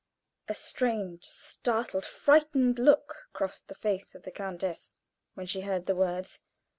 A strange, startled, frightened look crossed the face of the countess when she heard the words.